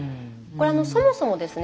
そもそもですね